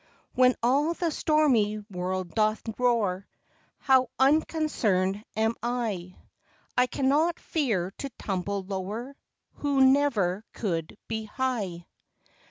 When all the stormy world doth roar, How unconcerned am I ! I cannot fear to tumble lower, Who never could be high.